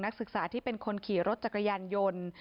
ศึกษาที่เป็นคนขี่รถจักรยานยนต์